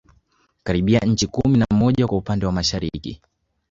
Karibia nchi kumi na moja kwa upande wa Mashariki